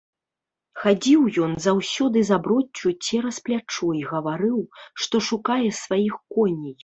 Хадзіў ён заўсёды з аброццю цераз плячо і гаварыў, што шукае сваіх коней.